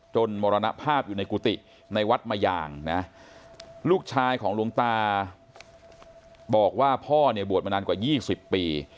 มรณภาพอยู่ในกุฏิในวัดมายางนะลูกชายของหลวงตาบอกว่าพ่อเนี่ยบวชมานานกว่า๒๐ปี